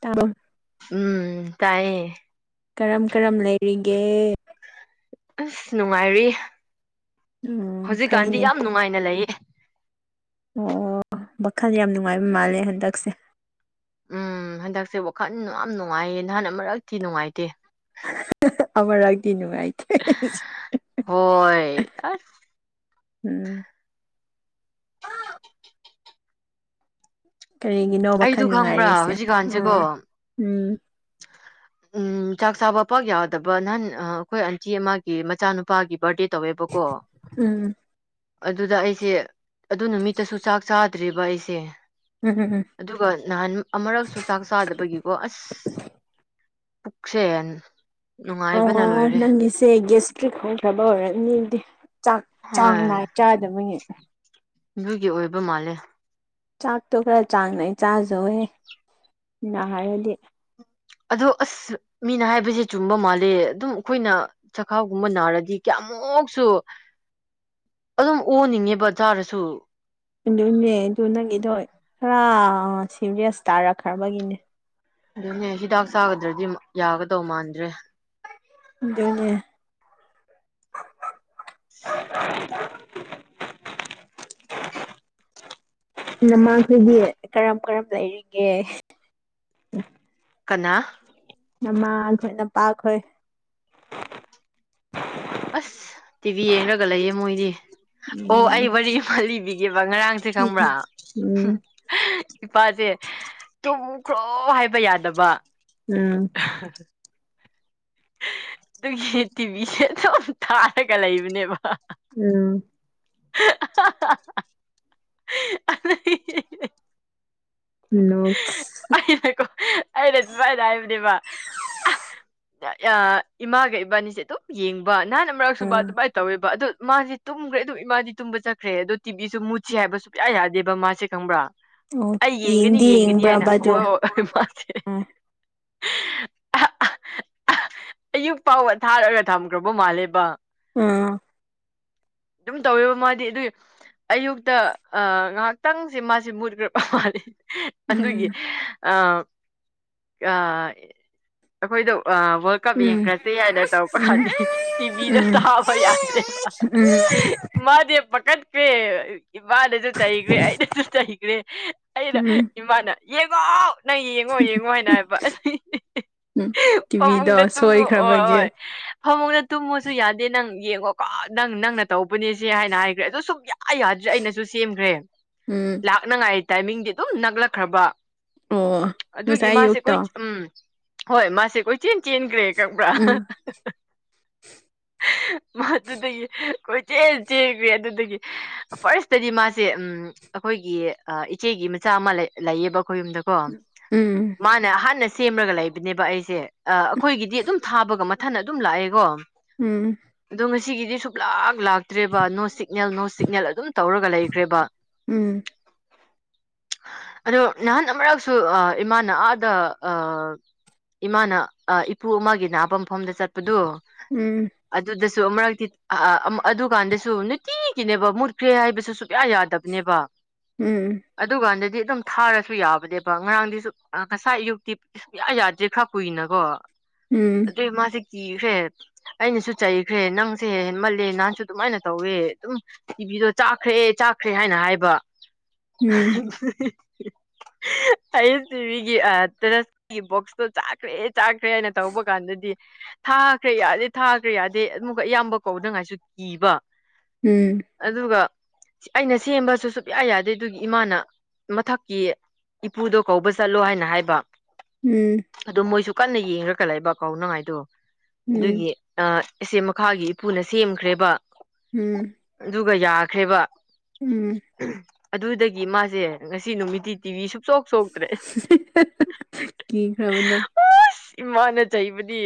ꯇꯥꯕ꯭ꯔꯣ ꯎꯝ ꯇꯥꯏꯌꯦ ꯀꯔꯝ ꯀꯔꯝ ꯂꯩꯔꯤꯒꯦ ꯑꯁ ꯅꯨꯡꯉꯥꯏꯔꯤ ꯎꯝ ꯍꯧꯖꯤꯛꯀꯥꯟꯗꯤ ꯐꯩꯅꯦ ꯌꯥꯝ ꯅꯨꯡꯉꯥꯏꯅ ꯂꯩꯌꯦ ꯑꯣ ꯃꯈꯜ ꯌꯥꯝ ꯅꯨꯡꯉꯥꯏꯕ ꯃꯥꯜꯂꯦ ꯍꯟꯗꯛꯁꯦ ꯎꯝ ꯍꯟꯗꯛꯁꯦ ꯋꯥꯈꯜ ꯌꯥꯝ ꯅꯨꯡꯉꯥꯏꯌꯦ ꯅꯍꯥꯟ ꯃꯔꯛꯇꯤ ꯅꯨꯡꯉꯥꯏꯇꯦ ꯑꯃꯔꯛꯇꯤ ꯅꯨꯡꯉꯥꯢ ꯍꯣꯏ ꯑꯁ ꯎꯝ ꯀꯔꯤꯒꯤꯅꯣ ꯋꯈꯥꯜ ꯑꯩꯗꯨ ꯈꯪꯕ꯭ꯔꯥ ꯅꯨꯡꯉꯥꯏꯔꯤꯁꯦ ꯎ ꯍꯧꯖꯤꯛꯀꯥꯟꯁꯦꯀꯣ ꯎꯝ ꯎꯝ ꯆꯥꯛ ꯆꯥꯕ ꯄꯥꯛ ꯌꯥꯗꯕ ꯅꯍꯥꯟ ꯑꯩꯈꯣꯏ ꯑꯟꯇꯤ ꯑꯃꯒꯤ ꯃꯆꯥꯅꯨꯄꯥꯒꯤ ꯕꯥꯔꯗꯦ ꯑꯧꯋꯦꯕꯒꯣ ꯎꯝ ꯑꯗꯨꯗ ꯑꯗꯨꯗ ꯑꯩꯁꯦ ꯛꯗꯨ ꯅꯨꯃꯤꯠꯑꯁꯨ ꯆꯥꯛ ꯇ꯭ꯔꯤꯕ ꯑꯩꯁꯦ ꯎꯝ ꯎꯝ ꯎꯝ ꯑꯗꯨꯒ ꯅꯍꯥꯟ ꯑꯃꯨꯔꯛꯁꯨ ꯆꯥꯛ ꯆꯥꯗꯕꯒꯤꯀꯣ ꯑꯁ ꯄꯨꯛꯁꯦꯟ ꯑꯣ ꯅꯪꯒꯤꯁꯦ ꯒꯦꯁ [unintelligible] ꯑꯣꯏꯔꯅꯤ ꯑꯗꯨꯗꯤ ꯆꯥꯛ ꯆꯥꯡ ꯍꯣꯏ ꯅꯥꯏꯅ ꯆꯥꯗꯕꯅꯤ ꯑꯗꯨꯒꯤ ꯑꯣꯏꯕ ꯃꯥꯜꯂꯦ ꯆꯥꯛꯇꯣ ꯈꯔ ꯆꯥꯡ ꯅꯥꯢꯅ ꯆꯥꯖꯧꯍꯦ ꯅꯥꯔꯗꯤ ꯑꯗꯣ ꯑꯁ ꯃꯤꯅ ꯍꯥꯏꯕꯁꯦ ꯆꯨꯝꯕ ꯃꯥꯜꯂꯦ ꯑꯗꯨꯝ ꯑꯩꯈꯣꯏꯅ ꯆꯈꯥꯎꯒꯨꯝꯕ ꯅꯥꯔꯗꯤ ꯀꯌꯥꯃꯨꯛꯁꯨ ꯑꯗꯨꯝ ꯑꯣꯟꯅꯤꯡꯉꯦꯕ ꯆꯥꯔꯁꯨ ꯑꯗꯨꯅꯦ ꯑꯗꯨ ꯅꯪꯒꯤꯗꯣ ꯈꯔ ꯁꯤꯔꯤꯁ ꯇꯥꯔꯛꯈ꯭ꯔꯕꯒꯤꯅꯦ ꯑꯗꯨꯅꯦ ꯍꯤꯗꯥꯛ ꯆꯥꯒꯗ꯭ꯔꯗꯤ ꯌꯥꯒꯗꯧ ꯃꯥꯟꯗ꯭ꯔꯦ ꯑꯗꯨꯅꯦ [inaudible] ꯅꯃꯥꯈꯣꯢꯗꯤ ꯀꯔꯝ ꯀꯔꯝ ꯂꯩꯔꯤꯒꯦ ꯀꯅꯥ ꯅꯃꯥꯈꯣꯢ ꯅꯄꯥꯈꯣꯢ ꯑꯁ ꯇꯤꯚꯤ ꯌꯦꯡꯔꯒ ꯂꯩꯌꯦ ꯃꯣꯏꯗꯤ ꯑꯣ ꯎꯝ ꯑꯩ ꯋꯥꯔꯤ ꯑꯃ ꯂꯤꯕꯤꯒꯦꯕ ꯉꯔꯥꯡꯁꯦ ꯈꯪꯕ꯭ꯔꯥ ꯎꯝ ꯏꯄꯥꯁꯦ ꯇꯨꯈ꯭ꯔꯣ ꯍꯥꯏꯕ ꯌꯥꯗꯕ ꯎꯝ ꯑ [inaudible] ꯑꯗꯨꯒꯤ ꯇꯤꯚꯤꯁꯦ ꯑꯗꯨꯝ ꯊꯥꯔꯒ ꯂꯩꯕꯅꯦꯕ ꯎꯝ ꯑ [unintelligible] ꯎꯣ [unintelligible] ꯀꯣ ꯑꯩꯅ ꯁꯨꯃꯥꯏꯅ ꯍꯥꯏꯕꯅꯦꯕ ꯏꯃꯥꯒ ꯏꯕꯥꯅꯤꯁꯦ ꯑꯗꯨꯝ ꯌꯦꯡꯕ ꯅꯍꯥꯟ ꯃꯔꯛꯁꯨꯨ ꯎꯝ ꯑꯗꯨꯃꯥꯏꯅ ꯇꯧꯋꯦꯕ ꯑꯣ ꯃꯥꯁꯦ ꯇꯨꯝꯈ꯭ꯔꯦ ꯑꯗꯨꯝ ꯏꯃꯥꯗꯤ ꯇꯨꯝꯕ ꯆꯠꯈ꯭ꯔꯦ ꯑꯗꯣ ꯇꯤꯕꯤꯁꯨ ꯃꯨꯠꯁꯤ ꯍꯥꯏꯕ ꯁꯨꯡꯌꯥ ꯌꯥꯗꯦꯕ ꯃꯥꯁꯦ ꯈꯪꯕ꯭ꯔꯥ ꯑꯣ ꯑꯩ ꯌꯦꯡ ꯌꯦꯡꯒꯅꯤ ꯌꯦꯡꯒꯅꯤ ꯍꯥꯏꯅ ꯍꯣꯏ ꯍꯣꯏ ꯃꯥꯁꯦ [inaudible] ꯑꯌꯨꯛ ꯐꯥꯎꯕ ꯊꯥꯔꯒ ꯊꯝꯈ꯭ꯔꯕ ꯃꯥꯜꯂꯦꯕ ꯎꯝ ꯑꯗꯨꯝ ꯇꯧꯋꯦꯕ ꯃꯥꯗꯤ ꯑꯗꯨꯒꯤ ꯑꯌꯨꯛꯇ ꯉꯥꯏꯍꯥꯛꯇꯪꯁꯦ ꯃꯥꯁꯦ ꯃꯨꯠꯈ꯭ꯔ ꯃꯥꯂꯦ ꯎꯝ ꯑꯗꯨꯒꯤ ꯑꯥ ꯑꯩꯈꯣꯏꯗꯨ ꯋꯥꯜ ꯀꯥꯞ ꯎꯝ ꯕꯦꯡꯈ꯭ꯔꯁꯦ ꯍꯥꯏꯅ ꯇꯧꯔꯛ ꯀꯥꯟꯗ ꯇꯤꯚꯤꯗ ꯊꯥꯕ ꯌꯥꯗ꯭ꯔꯦꯕ ꯎꯝ ꯃꯥꯗꯤ ꯄꯈꯠꯈ꯭ꯔꯦ ꯏꯃꯥꯅꯁꯨ ꯆꯩꯈ꯭ꯔꯦ ꯑꯩꯅꯁꯨ ꯆꯩꯈ꯭ꯔꯦ ꯑꯩꯅ ꯎꯝ ꯎꯝ ꯏꯃꯥꯅ ꯌꯦꯡꯉꯣ ꯅꯪ ꯌꯦꯡꯉꯣ ꯌꯦꯡꯉꯣ ꯍꯥꯏꯅ ꯍꯥꯏꯕ ꯇꯤꯚꯤꯗꯣ ꯐꯃꯨꯡꯗ ꯇꯨꯝꯃꯣ ꯍꯣꯢ ꯍꯣꯢ ꯁꯣꯏꯈ꯭ꯔꯕꯒꯤ ꯐꯃꯨꯗ ꯇꯨꯝꯃꯣꯁꯨ ꯌꯥꯗꯦ ꯅꯪ ꯌꯦꯡꯉꯣꯀꯣ ꯅꯪ ꯅꯪꯅ ꯇꯧꯕꯅꯦ ꯁꯦ ꯍꯥꯏꯅ ꯍꯥꯏꯈ꯭ꯔꯦ ꯑꯗꯨ ꯁꯨꯝ ꯌꯥ ꯌꯥꯗ꯭ꯔꯦ ꯑꯩꯅꯁꯨ ꯁꯦꯝꯈ꯭ꯔꯦ ꯎꯝ ꯂꯛꯅꯤꯡꯉꯥꯏ ꯇꯥꯏꯃꯤꯡꯗꯤ ꯑꯗꯨꯝ ꯅꯛꯂꯛꯈ꯭ꯔꯕ ꯑꯣ ꯑꯗꯨꯒꯤ ꯉꯁꯥꯏ ꯃꯥꯁꯦ ꯑꯌꯨꯛꯇꯣ ꯑꯩꯈꯣꯏ ꯎꯝ ꯍꯣꯏ ꯃꯥꯁꯦ ꯀꯣꯏ ꯆꯦꯟ ꯆꯦꯟꯈ꯭ꯔꯦ ꯈꯪꯕ꯭ꯔꯥ ꯎꯝ ꯃꯥ ꯑꯗꯨꯗ ꯀꯣꯏꯆꯦꯟ ꯆꯦꯟꯈ꯭ꯔꯦ ꯑꯗꯨꯗꯒꯤ ꯐꯥꯔꯁꯇꯗꯤ ꯃꯥꯁꯦ ꯎꯝ ꯑꯩꯈꯣꯏꯒꯤ ꯑꯥ ꯏꯆꯦꯒꯤ ꯃꯆꯥ ꯑꯃ ꯂꯩ ꯂꯩꯌꯦꯕ ꯑꯩꯈꯣꯏ ꯌꯨꯝꯗꯀꯣ ꯎꯝ ꯃꯥ__ ꯅꯍꯥꯟꯅ ꯁꯦꯝꯔꯒ ꯂꯩꯕꯅꯦꯕ ꯑꯩꯁꯦ ꯑꯥ ꯑꯩꯈꯣꯏꯒꯤꯗꯤ ꯑꯗꯨꯝ ꯊꯥꯕꯒ ꯃꯊꯟ ꯑꯗꯨꯝ ꯂꯥꯛꯑꯦꯀꯣ ꯎꯝ ꯑꯗꯣ ꯉꯁꯤꯒꯤꯗꯤ ꯁꯨꯞꯂꯥꯛ ꯂꯥꯛ__ ꯇ꯭ꯔꯦꯕ ꯅꯣ ꯁꯤꯒꯅꯦꯜ ꯅꯣ ꯁꯤꯒꯅꯦꯜ ꯑꯗꯨꯝ ꯇꯧꯔꯒ ꯂꯩꯈ꯭ꯔꯦꯕ ꯎꯝ ꯑꯗꯣ ꯅꯍꯥꯟ ꯑꯃꯔꯛꯁꯨ ꯑꯥ ꯏꯃꯥꯅ ꯑꯥꯗ ꯑꯥ ꯏꯃꯥꯅ ꯑꯥ ꯏꯄꯨ ꯑꯃꯒꯤ ꯅꯕꯥ ꯃꯐꯝꯗ ꯆꯠꯄꯗꯨ ꯎꯝ ꯑꯗꯨꯗꯁꯨ ꯑꯃꯔꯛꯇꯤ ꯑꯥ ꯑꯥ ꯑꯃ ꯑꯗꯨ ꯀꯥꯟꯗꯁꯨ ꯅꯨꯇꯤꯒꯤꯅꯦꯕ ꯃꯨꯠꯈ꯭ꯔꯦ ꯍꯥꯏꯕꯁꯨ ꯁꯨꯛꯌꯥ ꯌꯥ__ ꯇꯞꯄꯅꯦꯕ ꯎꯝ ꯑꯗꯨꯀꯥꯟꯗꯗꯤ ꯑꯗꯨꯝ ꯊꯥꯔꯁꯨ ꯌꯥꯕꯅꯦꯕ ꯉꯔꯥꯡꯗꯤꯁꯨ ꯑꯥ ꯉꯁꯥꯏ ꯑꯌꯨꯛꯇꯤ ꯁꯨꯛꯌꯥ ꯌꯥꯗ꯭ꯔꯦ ꯈꯔ ꯀꯨꯏꯅꯀꯣ ꯎꯝ ꯘꯨꯏ ꯃꯥꯁꯦ ꯀꯤꯈ꯭ꯔꯦ ꯑꯩꯅꯁꯨ ꯆꯩꯈ꯭ꯔꯦ ꯅꯪꯁꯦꯅ ꯃꯜꯂꯦ ꯅꯍꯥꯟꯁꯨ ꯑꯗꯨꯃꯥꯏꯅ ꯇꯧꯋꯦ ꯑꯗꯨꯝ ꯇꯤꯚꯤꯗꯣ ꯆꯥꯛꯈ꯭ꯔꯦ ꯆꯥꯛꯈ꯭ꯔꯦ ꯍꯥꯏꯅ ꯍꯥꯏꯕ [unintelligible] [inaudible] ꯑꯩꯁ ꯇꯤꯚꯤꯒꯤ ꯑꯥ ꯇꯔꯁ ꯀꯤ ꯕꯣꯛꯁꯇꯣ ꯆꯥꯛꯈ꯭ꯔꯦ ꯆꯥꯛꯈ꯭ꯔꯦ ꯍꯥꯏꯅ ꯇꯧꯕ ꯀꯥꯟꯗꯗꯤ ꯊꯥꯈ꯭ꯔꯦ ꯌꯥꯔꯦ ꯊꯥꯈ꯭ꯔꯦ ꯌꯥꯗꯦ ꯑꯃꯨꯛꯀ ꯏꯌꯥꯝꯕ ꯀꯧꯗꯉꯥꯏꯁꯨ ꯀꯤꯕ ꯎꯝ ꯑꯗꯨꯒ ꯑꯩꯅ ꯁꯦꯝꯕꯁꯨ ꯁꯨꯞꯌꯥ ꯌꯥꯗꯦ ꯑꯗꯨꯒꯤ ꯏꯃꯥꯅ ꯃꯊꯛꯀꯤ ꯏꯄꯨꯗꯣ ꯀꯧꯕ ꯆꯠꯂꯣ ꯍꯥꯏꯅ ꯍꯥꯏꯕ ꯎꯝ ꯑꯗꯣ ꯃꯣꯏꯁꯨ ꯀꯟꯅ ꯌꯦꯡꯉꯔ ꯂꯩꯕ ꯀꯥꯎꯅꯉꯥꯏꯗꯣ ꯎꯝ ꯑꯗꯨꯒꯤ ꯑꯥ ꯑꯁꯦ ꯃꯈꯥꯒꯤ ꯄꯨꯅ ꯁꯦꯝꯈ꯭ꯔꯦꯕ ꯎꯝ ꯑꯗꯨꯒ ꯌꯥꯈ꯭ꯔꯦꯕ ꯎꯝ ꯑꯗꯨꯗꯒꯤ ꯃꯥꯁꯦ ꯉꯁꯤ ꯅꯨꯃꯤꯠꯇꯤ__ ꯇꯤꯚꯤ ꯁꯨ ꯆꯣꯛ ꯆꯣꯛꯇ꯭ꯔꯦ ꯀꯤꯈ꯭ꯔꯕꯗꯣ ꯑꯁ ꯏꯃꯥꯅ ꯆꯩꯕꯗꯤ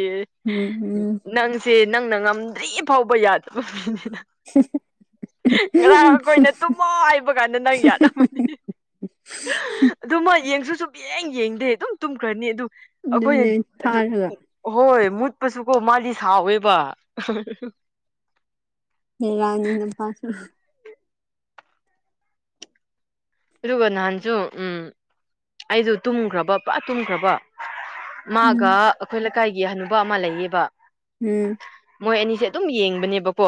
ꯎꯝ ꯎꯝ ꯅꯪꯁꯦ ꯅꯪꯅ ꯉꯝ__ ꯗ꯭ꯔꯤ ꯐꯥꯎꯕ ꯌꯥꯗꯕ ꯃꯤꯅꯤ ꯅ ꯉꯔꯥꯡ ꯑꯩꯈꯣꯏꯅ ꯇꯨꯝꯃꯣ ꯍꯥꯏꯕ ꯀꯥꯟꯗ ꯅꯪ ꯌꯥꯠꯔꯝꯃꯗꯤ [inaudible] ꯑꯗꯨꯃ ꯌꯦꯡꯁꯨ ꯁꯨꯞ ꯌꯦꯡ ꯌꯦꯡꯗꯦ ꯑꯗꯨꯝ ꯇꯨꯝꯈ꯭ꯔꯅꯤ ꯑꯗꯨ ꯑꯈꯣꯏꯅ ꯑꯗꯨꯅꯦ ꯑꯗꯨ ꯊꯥꯔꯒ ꯍꯣꯏ ꯃꯨꯠꯄꯁꯨ ꯀꯣ ꯃꯥꯜꯂꯤ ꯁꯥꯎꯋꯦꯕ [unintelligible] ꯅꯄꯥꯁꯨ ꯑꯗꯨꯒ ꯅꯍꯥꯟꯁꯨ ꯎꯝ ꯑꯩꯁꯨ ꯇꯨꯝꯈ꯭ꯔꯕ ꯄꯨꯔꯥ ꯇꯨꯝꯈ꯭ꯔꯕ ꯎꯝ ꯃꯥꯒ ꯑꯩꯈꯣꯏ ꯂꯩꯀꯥꯏꯒꯤ ꯍꯅꯨꯕ ꯑꯃ ꯂꯩꯌꯦꯕ ꯎꯝ ꯃꯣꯏ ꯑꯅꯤꯁꯦ ꯑꯗꯨꯝ ꯌꯦꯡꯕꯅꯦꯕꯀꯣ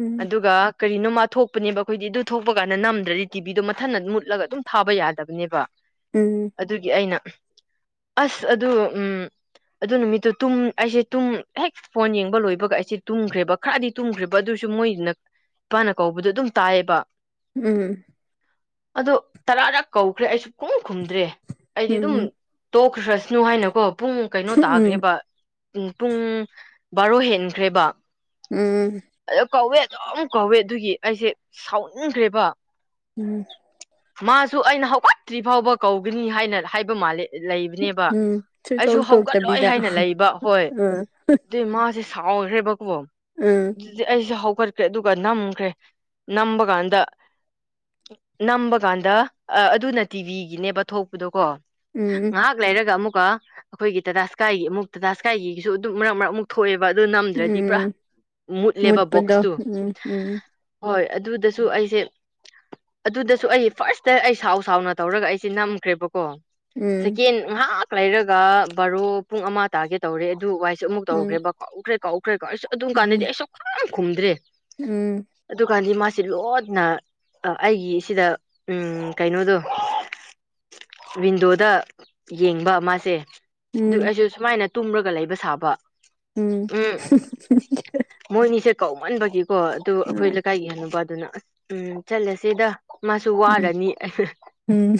ꯎꯝ ꯑꯗꯨꯒ ꯀꯔꯤꯅꯣ ꯃꯥ ꯊꯣꯛꯄꯅꯦꯕ ꯑꯩꯈꯣꯏꯗꯤ ꯑꯗꯨ ꯊꯣꯛꯄ ꯀꯥꯟꯗ ꯅꯝꯗ꯭ꯔꯗꯤ ꯇꯤꯚꯕꯤꯗꯣ ꯃꯠ ꯊꯟꯅ ꯃꯨꯠꯂꯒ ꯑꯗꯨꯝ ꯊꯥꯕ ꯌꯥꯗꯕꯅꯦꯕ ꯎꯝ ꯑꯗꯨꯒꯤ ꯑꯩꯅ ꯑꯁ ꯑꯗꯨ ꯎꯝ ꯑꯗꯨ ꯅꯨꯃꯤꯠꯇꯨ ꯇꯨꯝ ꯑꯩꯁꯦ ꯇꯨꯝ ꯍꯦꯛ ꯐꯣꯟ ꯌꯦꯡꯕ ꯂꯣꯏꯕꯒ ꯑꯩꯁꯦ ꯇꯨꯝꯈ꯭ꯔꯦꯕ ꯈꯔꯗꯤ ꯇꯨꯝꯈ꯭ꯔꯦꯕ ꯑꯗꯨꯁꯨ ꯃꯣꯏꯅ ꯏꯄꯥꯅ ꯀꯧꯕꯗꯨ ꯑꯗꯨꯝ ꯇꯥꯏꯑꯦꯕ ꯎꯝ ꯑꯗꯣ ꯇꯔꯥꯔꯥꯛ ꯀꯧꯈ꯭ꯔꯦ ꯑꯩ ꯁꯨꯈꯨꯝ ꯈꯨꯝꯗ꯭ꯔꯦ ꯑꯩꯗꯤ ꯗꯨꯝ ꯎꯝ ꯎꯝ ꯇꯣꯛꯈ꯭ꯔꯁꯅꯨ ꯍꯥꯏꯅꯀꯣ ꯄꯨꯡ ꯀꯩꯅꯣ ꯎꯝ ꯇꯥꯈ꯭ꯔꯦꯕ ꯄꯨ ꯄꯨꯡ ꯕꯥꯔꯣ ꯍꯦꯟꯈ꯭ꯔꯦꯕ ꯎꯝ ꯑꯗꯣ ꯀꯧꯋꯦ ꯑꯗꯨꯝ ꯀꯧꯋꯦ ꯑꯗꯨꯒꯤ ꯑꯩꯁꯦ ꯁꯥꯎꯅꯤꯡꯈ꯭ꯔꯦꯕ ꯎꯝ ꯃꯥꯁꯨ ꯑꯩꯅ ꯍꯧꯒꯠꯇ꯭ꯔꯤ ꯐꯥꯎꯕ ꯀꯧꯒꯅꯤ ꯍꯥꯏꯅ ꯍꯥꯏꯕ ꯃꯥꯂꯦ ꯂꯩꯕꯅꯦꯕ ꯎꯝ ꯑꯩꯁꯨ ꯁꯨꯇꯣꯛ ꯍꯧꯒꯠꯂꯣꯏ ꯇꯣꯛꯇꯕꯤꯗ ꯍꯥꯏꯅ ꯂꯩꯕ ꯍꯣꯏ ꯎꯝ ꯑꯗꯨꯏ ꯃꯥꯁꯦ ꯁꯥꯎꯈ꯭ꯔꯦ ꯕꯀ‌ꯣ ꯎꯝ ꯑꯗꯨꯗꯤ ꯑꯩꯁ‌ꯦ ꯍꯧꯒꯠꯈ꯭ꯔꯦ ꯑꯗꯨꯒ ꯅꯝꯈ꯭ꯔꯦ ꯅꯝꯕ ꯀꯥꯟꯗ ꯅꯝꯕ ꯀꯥꯟꯗ ꯑ ꯑꯗꯨꯅ ꯇꯤꯚꯤꯒꯤꯅꯦꯕ ꯊꯣꯛꯄꯗꯣ ꯀꯣ ꯎꯝ ꯉꯥꯍꯥꯛ ꯂꯩꯔꯒ ꯑꯃꯨꯛꯀ ꯑꯩꯈꯣꯏꯒꯤ ꯇꯥꯇꯥ ꯁ꯭ꯀꯥꯏꯒꯤ ꯑꯃꯨꯛ ꯇꯥꯇꯥꯁ꯭ꯀꯥꯏꯒꯤꯁꯨ ꯑꯗꯨꯝ ꯃꯔꯛ ꯃꯔꯛ ꯑꯃꯨꯛ ꯊꯣꯛꯑꯦꯕ ꯑꯗꯨ ꯅꯝꯗ꯭ꯔꯗꯤ ꯄꯨꯔꯥ ꯎꯝ ꯃꯨꯠꯂꯦꯕ ꯃꯨꯠꯄꯗꯣ ꯕꯣꯛꯁꯇꯨ ꯎꯝ ꯎꯝ ꯍꯣꯏ ꯑꯗꯨꯗꯁꯨ ꯑꯩꯁꯦ ꯑꯗꯨꯗꯁꯨ ꯑꯩ ꯐꯥꯔꯁꯇ ꯑꯩ ꯁꯥꯎ ꯁꯥꯎꯅ ꯇꯧꯔꯒ ꯑꯩꯁꯦ ꯅꯝꯈ꯭ꯔꯦꯕꯀꯣ ꯎꯝ ꯁꯦꯀꯦꯟ ꯉꯥꯍꯥꯛ ꯂꯩꯔꯒ ꯕꯥꯔꯣ ꯄꯨꯡ ꯑꯃ ꯇꯥꯒꯦ ꯇꯧꯔꯦ ꯑꯗꯨ ꯋꯥꯏꯁꯦ ꯑꯃꯨꯛ ꯎꯝ ꯎꯝ ꯇꯧꯈ꯭ꯔꯦꯕ ꯀꯥꯎꯈ꯭ꯔꯦ ꯀꯥꯎꯈ꯭ꯔꯦ ꯀꯥꯎ ꯁꯨꯛ ꯑꯗꯨꯝ ꯀꯥꯟꯗꯗꯤ ꯎꯝ ꯑꯩ ꯁꯨꯛꯈꯨꯝ ꯈꯨꯝꯗ꯭ꯔꯦ ꯎꯝ ꯑꯗꯨꯀꯥꯟꯗꯤ ꯃꯥꯁꯤ ꯂꯣꯠꯅ ꯑꯩꯒꯤ ꯁꯤꯗ ꯀꯩꯅꯣꯗꯣ ꯋꯤꯟꯗꯣꯗ ꯌꯦꯡꯕ ꯃꯥꯁꯦ ꯑꯗꯨ ꯑꯩꯁꯨ ꯁꯨꯃꯥꯏꯅ ꯇꯨꯝꯔꯒ ꯂꯩꯕ ꯁꯥꯕ ꯎꯝ ꯃꯣꯏꯅꯤꯁꯦ ꯀꯧꯃꯟꯕꯒꯤꯀꯣ ꯑꯗꯨ ꯑꯩꯈꯣꯏ ꯂꯩꯀꯥꯏꯒꯤ ꯍꯟꯅꯨꯕꯗꯨꯅ ꯑꯁ ꯎꯝ ꯆꯠꯂꯁꯤꯗ ꯃꯥꯁꯨ ꯎꯝ ꯋꯥꯔꯅꯤ ꯎꯝ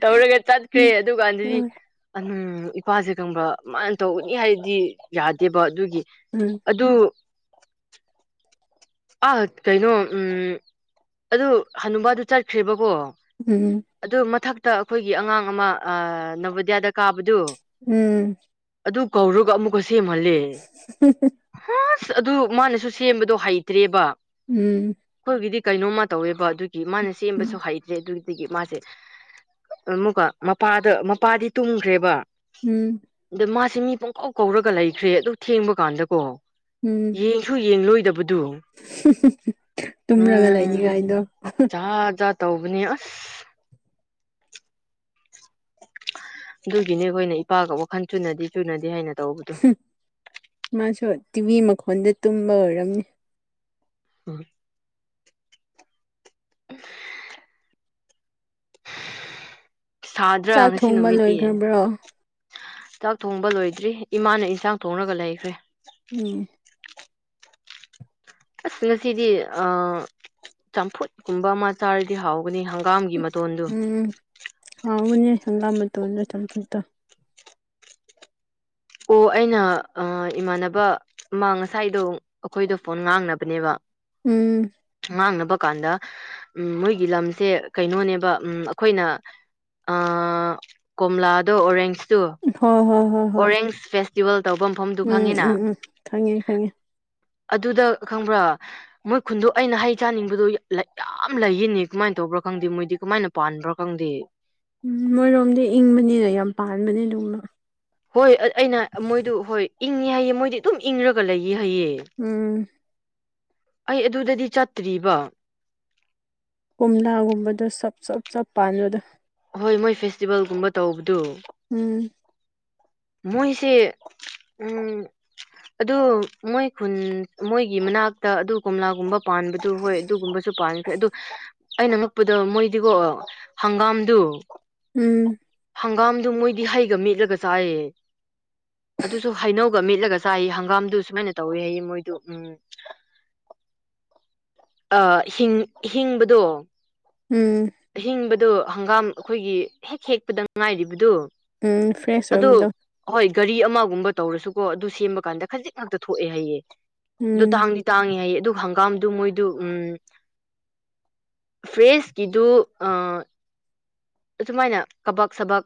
ꯇꯧꯔꯒ ꯆꯠꯈ꯭ꯔꯦ ꯎꯝ ꯑꯗꯨꯀꯥꯟꯗꯗꯤ ꯎꯝ ꯑꯗꯨꯝ ꯏꯄꯥꯁꯦ ꯈꯪꯕ꯭ꯔ ꯃꯥꯅ ꯇꯧꯒꯅꯤ ꯍꯥꯏꯗꯤ ꯌꯥꯗꯦꯕ ꯑꯗꯨꯒꯤ ꯎꯝ ꯑꯗꯨ ꯑ ꯀꯩꯅꯣ ꯎꯝ ꯑꯗꯨ ꯍꯅꯨꯕꯥꯗꯨ ꯆꯠꯈ꯭ꯔꯦꯕꯀꯣ ꯎꯝ ꯑꯗꯨ ꯃꯊꯛꯇ ꯑꯩꯈꯣꯏꯒꯤ ꯑꯉꯥꯡ ꯑꯃ ꯑꯥ ꯅꯕꯣꯗꯤ꯭ꯌꯥꯗ ꯀꯥꯕꯗꯨ ꯎꯝ ꯑꯗꯨ ꯀꯧꯔꯒ ꯑꯃꯨꯛꯀ ꯁꯦꯝꯍꯜꯂꯦ [unintelligible] ꯍꯁ ꯑꯗꯨ ꯃꯥꯅꯁꯨ ꯁꯦꯝꯕꯗꯣ ꯍꯩꯇ꯭ꯔꯦꯕ ꯎꯝ ꯑꯩꯈꯣꯏꯒꯤꯗꯤ ꯀꯩꯅꯣꯝꯃ ꯇꯧꯋꯦꯕ ꯑꯗꯨꯒꯤ ꯃꯥꯅ ꯁꯦꯝꯕꯁꯨ ꯍꯩ [unintelligible] ꯑꯗꯨꯗꯒꯤ ꯃꯥꯁꯦ ꯑꯃꯨꯛꯀꯣ ꯃꯄꯥꯗ ꯃꯄꯥꯗꯤ ꯇꯨꯝꯈ꯭ꯔꯦꯕ ꯎꯝ ꯑꯗ ꯃꯥꯁꯦ ꯃꯤ ꯄꯨꯡꯀꯧ ꯀꯧꯔꯒ ꯂꯩꯈ꯭ꯔꯦ ꯑꯗꯨ ꯊꯦꯡꯕ ꯀꯥꯟꯗꯀꯣ ꯎꯝ ꯌꯦꯡ ꯁꯨ ꯌꯦꯡꯂꯣꯏꯗꯕꯗꯣ ꯇꯨꯝꯔꯒ ꯂꯩꯅꯤꯉꯥꯏꯗꯣ ꯑꯥ ꯖꯥꯠ ꯇꯧꯕꯅꯦ ꯑꯁ ꯑꯗꯨꯒꯤꯅꯦ ꯑꯩꯈꯣꯏꯅ ꯏꯄꯥꯒ ꯋꯥꯈꯟ ꯆꯨꯅꯗꯦ ꯆꯨꯅꯗꯦ ꯍꯥꯏꯅ ꯇꯧꯕꯗꯣ ꯃꯥꯁꯨ ꯇꯤ ꯚꯤ ꯃꯈꯣꯟꯗ ꯇꯨꯝꯕ ꯑꯣꯏꯔꯝꯅꯤ ꯍꯣꯏ [unintelligible] ꯁꯥꯗ꯭ꯔꯥ ꯆꯥꯛ ꯉꯁꯤ ꯊꯣꯡꯕ ꯅꯨꯃꯤꯠꯇꯤ ꯂꯣꯏꯈ꯭ꯔꯕ꯭ꯔꯣ ꯆꯥꯛ ꯊꯣꯡꯕ ꯂꯣꯏꯗ꯭ꯔꯤ ꯏꯃꯥꯅ ꯏꯟꯁꯥꯡ ꯊꯣꯡꯂꯒ ꯂꯩꯈ꯭ꯔꯦ ꯎꯝ ꯑꯁ ꯉꯁꯤꯗꯤ ꯑꯥ ꯆꯝꯐꯨꯠꯀꯨꯝꯕ ꯑꯃ ꯆꯥꯔꯗꯤ ꯍꯥꯎꯕꯅꯦ ꯍꯪꯒꯥꯝꯒꯤ ꯃꯇꯣꯟꯗꯨ ꯎꯝ ꯍꯥꯎꯕꯅꯦ ꯍꯪꯒꯥꯝ ꯃꯇꯣꯜꯂ ꯆꯝꯐꯨꯠꯇꯣ ꯑꯣ ꯑꯩꯅ ꯑꯥ ꯏꯃꯥꯟꯅꯕ ꯑꯃ ꯉꯁꯥꯏꯗꯣ ꯑꯩꯈꯣꯏꯗꯣ ꯐꯣꯟ ꯉꯥꯡꯅꯕꯅꯦꯕ ꯎꯝ ꯉꯥꯡꯅꯕ ꯀꯥꯟꯗ ꯎꯝ ꯃꯣꯏꯒꯤ ꯂꯝꯁꯦ ꯀꯩꯅꯣꯅꯦꯕ ꯎꯝ ꯑꯩꯈꯣꯏꯅ ꯑꯥ ꯀꯣꯝꯂꯥꯗꯣ ꯑꯣꯔꯦꯟꯖꯇꯣ ꯍꯣꯏ ꯍꯣꯏ ꯍꯣꯏ ꯑꯣꯔꯦꯟꯁ ꯐꯦꯁꯇꯤꯚꯦꯜ ꯇꯧꯕ ꯃꯐꯝꯗꯨ ꯎꯝ ꯈꯪꯉꯤꯅ ꯎꯝ ꯎꯝ ꯈꯪꯉꯦ ꯈꯪꯉꯦ ꯑꯗꯨꯗ ꯈꯪꯕ꯭ꯔꯥ ꯃꯣꯏ ꯈꯨꯟꯗꯣ ꯑꯩꯅ ꯍꯩ ꯆꯥꯅꯤꯡꯕꯗꯣ ꯌꯥꯝ ꯂꯩꯌꯦꯅꯤ ꯀꯃꯥꯏꯅ ꯇꯧꯕ꯭ꯔꯥ ꯈꯪꯗꯦ ꯃꯣꯏꯗꯤ ꯀꯃꯥꯏꯅ ꯄꯥꯟꯕ꯭ꯔꯥ ꯈꯪꯗꯦ ꯎꯝ ꯃꯣꯏꯔꯣꯝꯗꯤ ꯏꯪꯕꯅꯤꯅ ꯌꯥꯝ ꯄꯥꯟꯕꯅꯦ ꯑꯗꯨꯒꯨꯝꯕ ꯍꯣꯏ ꯑꯩꯅ ꯃꯣꯏꯗꯨ ꯍꯣꯏ ꯏꯪꯉꯦ ꯍꯥꯏꯌꯦ ꯃꯣꯏꯗꯤ ꯑꯗꯨꯝ ꯏꯪꯔꯒ ꯂꯩꯌꯦ ꯍꯥꯏꯌꯦ ꯎꯝ ꯑꯩ ꯑꯗꯨꯗꯗꯤ ꯆꯠꯇ꯭ꯔꯤꯕ ꯀꯣꯝꯂꯥꯒꯨꯝꯕꯗꯣ ꯆꯞ ꯆꯞ ꯆꯞ ꯄꯥꯟꯕꯗꯣ ꯍꯣꯏ ꯃꯣꯏ ꯐꯦꯁꯇꯤꯚꯦꯜꯒꯨꯝꯕ ꯇꯧꯕꯗꯣ ꯎꯝ ꯃꯣꯏꯁꯦ ꯎꯝ ꯑꯗꯨ ꯃꯣꯏ ꯈꯨꯟ ꯃꯣꯏꯒꯤ ꯃꯅꯥꯛꯇ ꯑꯗꯨ ꯀꯣꯝꯂꯥꯒꯨꯝꯕ ꯄꯥꯟꯕꯗꯨ ꯍꯣꯏ ꯑꯗꯨꯒꯨꯝꯕꯁꯨ ꯄꯥꯟ ꯑꯗꯨ ꯑꯩꯅ ꯉꯛꯄꯗ ꯃꯣꯏꯗꯤꯀꯣ ꯍꯪꯒꯥꯝꯗꯨ ꯎꯝ ꯍꯪꯒꯥꯝꯗꯣ ꯃꯣꯏꯗꯤ ꯍꯩꯒ ꯃꯦꯠꯂꯒ ꯆꯥꯏꯌꯦ ꯑꯗꯨꯁꯨ ꯍꯩꯅꯧꯒ ꯃꯦꯠꯂꯒ ꯆꯥꯏꯌꯦ ꯍꯪꯒꯥꯝꯗꯨ ꯁꯨꯃꯥꯏꯅ ꯇꯧꯏ ꯍꯥꯏꯌꯦ ꯃꯣꯏꯗꯨ ꯎꯝ ꯑꯥ ꯍꯤꯡ ꯍꯤꯡꯕꯗꯣ ꯎꯝ ꯑꯍꯤꯡꯕꯗꯣ ꯍꯪꯒꯥꯝ ꯑꯩꯈꯣꯏꯒꯤ ꯍꯦꯛ ꯍꯦꯛꯄꯗ ꯉꯥꯏꯔꯤꯕꯗꯨ ꯎꯝ ꯐ꯭ꯔꯦꯁ ꯑꯗꯨ ꯑꯣꯏꯕꯗꯣ ꯍꯣꯏ ꯒꯥꯔꯤ ꯑꯃꯒꯨꯝꯕ ꯇꯧꯔꯁꯨꯀꯣ ꯑꯗꯨ ꯁꯦꯝꯕ ꯀꯥꯟꯗ ꯈꯖꯤꯛ ꯉꯥꯛꯇ ꯊꯣꯛꯑꯦ ꯍꯥꯏꯌꯦ ꯑꯗꯣ ꯎꯝ ꯇꯥꯡꯗꯤ ꯇꯥꯡꯉꯤ ꯍꯥꯏꯌꯦ ꯑꯗꯨꯒ ꯍꯪꯒꯥꯝꯗꯨ ꯃꯣꯏꯗꯨ ꯎꯝ ꯐ꯭ꯔꯦꯁꯀꯤꯗꯨ ꯑꯥ ꯑꯗꯨꯃꯥꯏꯅ ꯀꯕꯛ ꯁꯕꯛ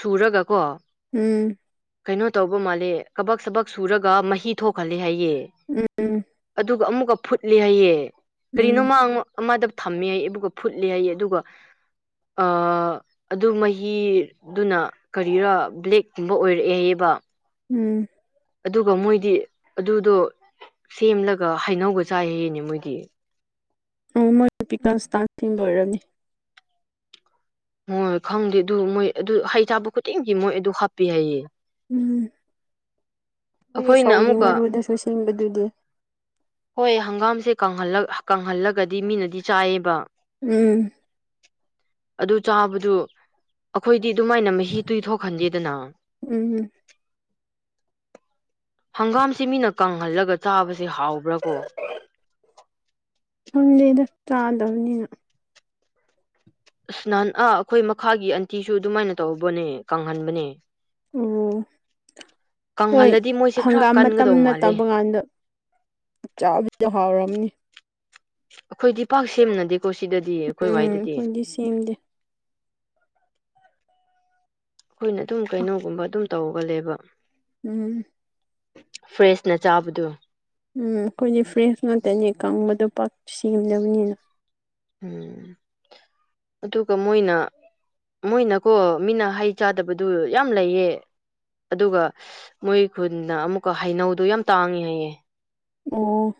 ꯁꯨꯔꯒ ꯀꯣ ꯎꯝ ꯀꯩꯅꯣ ꯇꯧꯕ ꯃꯥꯜꯂꯦ ꯀꯕꯛ ꯁꯕꯛ ꯁꯨꯔꯒ ꯃꯍꯤ ꯊꯣꯛꯍꯜꯂꯦ ꯍꯥꯏꯌꯦ ꯎꯝ ꯎꯝ ꯑꯗꯨꯒ ꯑꯃꯨꯛꯀ ꯐꯨꯠꯂꯦ ꯍꯥꯏꯌꯦ ꯀꯔꯤꯅꯣ ꯎꯝ ꯃꯥꯡ ꯑꯃꯗ ꯊꯝꯃꯦ ꯍꯥꯏ ꯑꯗꯨꯒ ꯐꯨꯠꯂ‌ꯦ ꯍꯥꯏꯌꯦ ꯑꯗꯨꯒ ꯑ ꯑꯗꯨ ꯃꯍꯤꯗꯨꯅ ꯀꯔꯤꯔꯥ ꯕ꯭ꯂꯦꯛꯀꯨꯝꯕ ꯑꯣꯏꯔꯛꯑꯦ ꯍꯥꯏꯌꯦꯕꯥ ꯎꯝ ꯑꯗꯨꯒ ꯃꯣꯏꯗꯤ ꯑꯗꯨꯗꯣ ꯁꯦꯝꯂꯒ ꯍꯩꯅꯧꯒꯥ ꯆꯥꯏꯌꯦꯌꯦꯅꯦ ꯃꯣꯏꯗꯤ ꯑꯣ ꯃꯣꯏ ꯄꯤꯀꯁ ꯏꯁꯇ꯭ꯔꯇꯤꯡꯗꯣ ꯑꯣꯏꯔꯝꯅꯤ ꯃꯣꯏ ꯈꯪꯗꯦ ꯑꯗꯨ ꯃꯣꯏ ꯑꯗꯨ ꯍꯩ ꯊꯥꯕ ꯈꯨꯗꯤꯡꯒꯤ ꯃꯣꯏ ꯑꯗꯨ ꯍꯥꯞꯄꯤ ꯍꯥꯏꯌꯦ ꯎꯝ ꯃꯣꯏꯒꯤ ꯑꯩꯈꯣꯏꯅ ꯁꯧꯒꯔ꯭ꯤ ꯑꯃꯨꯛꯀ ꯃꯔꯨꯗꯁꯨ ꯁꯤꯡꯕꯗꯨꯗꯤ ꯍꯣꯏ ꯍꯪꯒꯥꯝꯁꯦꯜ ꯀꯪꯍꯜꯂ ꯀꯪꯍꯜꯂꯒꯗꯤ ꯃꯤꯅꯗꯤ ꯆꯥꯏꯌꯦꯕ ꯎꯝ ꯑꯗꯨ ꯆꯥꯕꯗꯨ ꯑꯩꯈꯣꯏꯗꯤ ꯑꯗꯨꯃꯥꯏꯅ ꯃꯍꯤ ꯗꯨꯗꯤ ꯊꯣꯛꯍꯟꯗꯦꯗꯅ ꯎꯝ ꯍꯪꯒꯥꯝꯁꯤ ꯃꯤꯅ ꯀꯪꯍꯜꯂꯒ ꯆꯥꯕꯁꯦ ꯍꯥꯎꯕ꯭ꯔꯥ ꯀꯣ ꯈꯪꯗꯦꯗ ꯆꯥꯗꯕꯅꯤꯅ ꯅꯍꯥꯟ ꯑꯥ ꯑꯩꯈꯣꯏ ꯃꯈꯥꯒꯤ ꯑꯟꯇꯤꯁꯨ ꯑꯗꯨꯃꯥꯏꯅ ꯇꯧꯕꯅꯦ ꯀꯪꯍꯟꯕꯅꯦ ꯎꯝ ꯍꯣꯏ ꯀꯪꯍꯜꯂꯗꯤ ꯃꯣꯏꯁꯦ ꯈꯔ ꯍꯪꯒꯥꯝ ꯀꯟꯒꯗꯧ ꯃꯇꯝꯅ ꯃꯥꯜꯂꯦ ꯅꯥꯠꯇꯕ ꯀꯥꯟꯗ ꯆꯥꯕꯤꯗ ꯍꯥꯎꯔꯝꯅꯤ ꯑꯩꯈꯣꯏꯗꯤ ꯄꯥꯛ ꯁꯦꯝꯅꯗꯦꯀꯣ ꯁꯤꯗꯗꯤ ꯑꯩꯈꯣꯏ ꯎꯝ ꯋꯥꯏꯗꯗꯤ ꯑꯩꯈꯣꯏꯗꯤ ꯁꯦꯝꯗꯦ ꯑꯩꯈꯣꯏꯅ ꯑꯗꯨꯝ ꯀꯩꯅꯣꯒꯨꯝꯕ ꯑꯗꯨꯝ ꯇꯧꯒꯜꯂꯦꯕ ꯎꯝ ꯐ꯭ꯔꯦꯁꯅ ꯆꯥꯕꯗꫭ ꯎꯝ ꯑꯩꯈꯣꯏꯗꯤ ꯐ꯭ꯔꯦꯁ ꯉꯥꯛꯇꯅꯤ ꯀꯪꯕꯗꯣ ꯄꯥꯛ ꯁꯦꯝꯗꯕꯅꯤꯅ ꯎꯝ ꯑꯗꯨꯒ ꯃꯣꯏꯅ ꯃꯣꯏꯅꯀꯣ ꯃꯤꯅ ꯍꯩ ꯆꯥꯗꯕꯗꯨ ꯌꯥꯝ ꯂꯩꯌꯦ ꯑꯗꯨꯒ ꯃꯣꯏ ꯈꯨꯟꯅ ꯑꯃꯨꯛꯀ ꯍꯩꯅꯧꯗꯣ ꯌꯥꯝ ꯇꯥꯡꯉꯦ ꯍꯥꯏꯌꯦ ꯑꯣ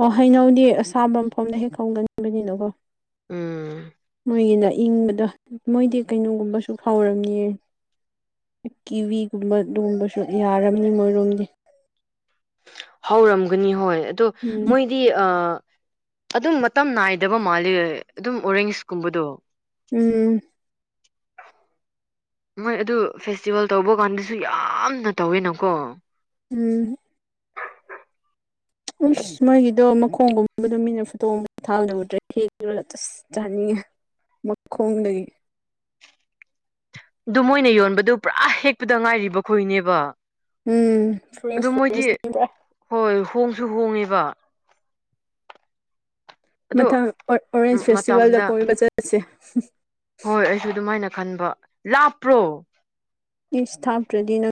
ꯑꯣ ꯍꯩꯅꯧꯗꯤ ꯑꯁꯥꯕ ꯃꯐꯝꯗ ꯍꯦꯛ ꯈꯪꯒꯟꯕꯅꯤꯅꯀꯣ ꯎꯝ ꯃꯈꯣꯏꯒꯤꯅ ꯏꯪꯕꯗꯣ ꯃꯣꯏꯗꯤ ꯀꯩꯅꯣꯒꯨꯝꯕꯁꯨ ꯐꯥꯎꯔꯝꯅꯤ ꯀꯤꯋꯤꯒꯨꯝꯕ ꯂꯣꯡꯕꯁꯨ ꯌꯥꯔꯝꯅꯤ ꯃꯣꯏꯔꯣꯝꯒꯤ ꯍꯧꯔꯝꯒꯅꯤ ꯍꯣꯏ ꯑꯗꯣ ꯎꯝ ꯃꯣꯏ ꯗꯤ ꯑꯥ ꯑꯗꯨꯝ ꯃꯇꯝ ꯅꯥꯏꯗꯕ ꯃꯥꯜꯂꯦ ꯑꯗꯨꯝ ꯑꯣꯔꯦꯟꯖꯀꯨꯝꯕꯗꯣ ꯎꯝ ꯃꯣꯏ ꯑꯗꯨ ꯐꯦꯁꯇꯤꯚꯦꯜ ꯇꯧꯕ ꯀꯥꯟꯗꯁꯨ ꯌꯥꯝꯅ ꯇꯧꯋꯤꯅꯀꯣ ꯎꯝ ꯎꯁ ꯃꯣꯏꯒꯤꯗꯣ ꯃꯈꯣꯡꯒꯨꯝꯕꯗꯣ ꯃꯤꯅ ꯐꯨꯠꯇꯣꯛꯑꯝ ꯕꯥ ꯊꯥꯡꯅ ꯎꯗ꯭ꯔꯦ ꯊꯦꯡꯉꯒꯥ ꯑꯁ ꯆꯥꯅꯤꯡꯉꯦ ꯃꯈꯣꯡꯗꯒꯤ ꯑꯗꯨ ꯃꯣꯏꯅ ꯌꯣꯟꯕꯗꯨ ꯄꯨꯔꯥ ꯍꯦꯛꯄꯗ ꯉꯥꯏꯔꯤꯕ ꯈꯣꯏꯅꯦꯕ ꯎꯝ ꯑꯗꯨ ꯐꯔꯦꯁꯇꯥ ꯃꯣꯏꯗꯤ ꯐꯔꯦꯁꯅꯤ ꯄꯨꯔꯥ ꯍꯣꯏ ꯍꯣꯡꯁꯨ ꯍꯣꯡꯉꯦꯕ ꯑꯗꯣ ꯃꯊꯪ ꯑꯣꯔꯦꯟꯖ ꯐꯦꯁꯇꯤꯚꯦꯜꯗ ꯃꯇꯝꯗ ꯀꯣꯏꯕ ꯆꯠꯂꯁꯤ ꯍꯣꯏ ꯑꯩꯁꯨ ꯑꯗꯨꯃꯥꯏꯅ ꯈꯟꯕ ꯂꯥꯞꯄ꯭ꯔꯣ ꯏꯁ ꯊꯥꯛꯇ꯭ꯔꯗꯤ ꯅꯪ